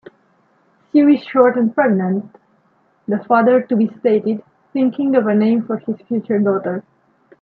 "Sue is short and pregnant", the father-to-be stated, thinking of a name for his future daughter.